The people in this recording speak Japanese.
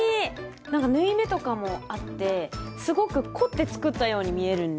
なんか縫い目とかもあってすごく凝って作ったように見えるんですよ。